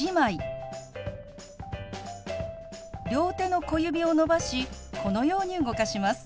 両手の小指を伸ばしこのように動かします。